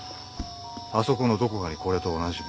あそこのどこかにこれと同じものがある。